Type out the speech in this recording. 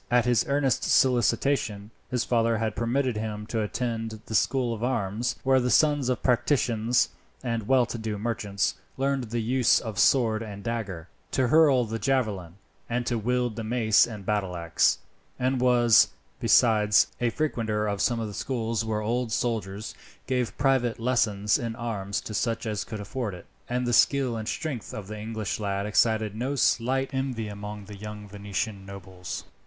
At his earnest solicitation, his father had permitted him to attend the School of Arms, where the sons of patricians and well to do merchants learned the use of sword and dagger, to hurl the javelin, and wield the mace and battleaxe; and was, besides, a frequenter of some of the schools where old soldiers gave private lessons in arms to such as could afford it; and the skill and strength of the English lad excited no slight envy among the young Venetian nobles.